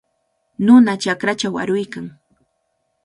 Nuna chakrachaw aruykan.